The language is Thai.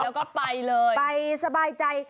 แล้วก็ไปเลยไปสบายใจ